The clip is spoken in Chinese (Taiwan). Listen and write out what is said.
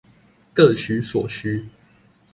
各取所需